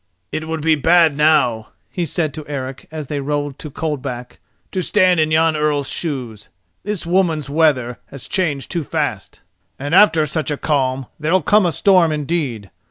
"It would be bad now," he said to Eric, as they rode to Coldback, "to stand in yon old earl's shoes. This woman's weather has changed too fast, and after such a calm there'll come a storm indeed.